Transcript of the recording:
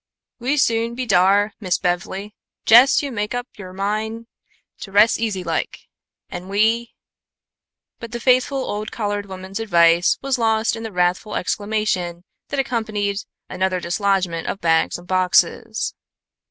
"We soon be dar, Miss Bev'ly; jes' yo' mak' up yo' mine to res' easy like, an' we " but the faithful old colored woman's advice was lost in the wrathful exclamation that accompanied another dislodgment of bags and boxes.